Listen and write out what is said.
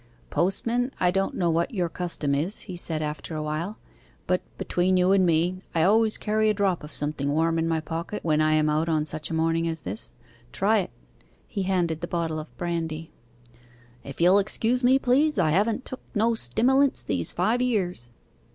'Postman, I don't know what your custom is,' he said, after a while; 'but between you and me, I always carry a drop of something warm in my pocket when I am out on such a morning as this. Try it.' He handed the bottle of brandy. 'If you'll excuse me, please. I haven't took no stimmilents these five years.